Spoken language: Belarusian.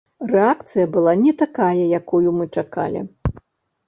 Рэакцыя была не такая, якую мы чакалі.